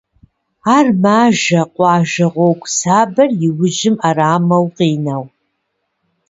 Ар мажэ къуажэ гьуэгу сабэр и ужьым ӏэрамэу къинэу.